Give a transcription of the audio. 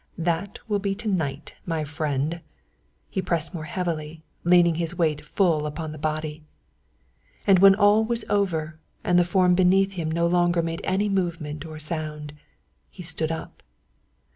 That will be to night, my friend." He pressed more heavily, leaning his weight full upon the body. And when all was over and the form beneath him no longer made any movement or sound, he stood up.